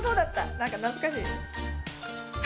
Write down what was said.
なんか懐かしい。